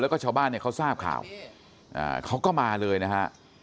แล้วก็ชาวบ้านเนี่ยเขาทราบข่าวเขาก็มาเลยนะฮะ